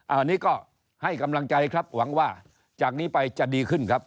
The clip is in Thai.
อันนี้ก็ให้กำลังใจครับหวังว่าจากนี้ไปจะดีขึ้นครับ